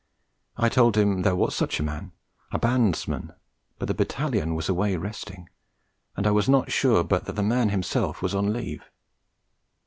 I told him there was such a man, a bandsman, but the Battalion was away resting and I was not sure but that the man himself was on leave.